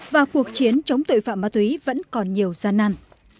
và cuộc chiến chống tội phạm ma túy vẫn còn nhiều gian năn